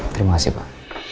terima kasih pak